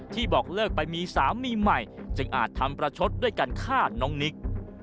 บอกเลิกไปมีสามีใหม่จึงอาจทำประชดด้วยการฆ่าน้องนิก